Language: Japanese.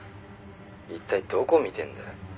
「一体どこ見てんだよ」